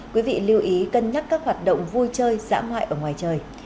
quý vị lưu ý cân nhắc các hoạt động vui chơi dã ngoại ở ngoài trời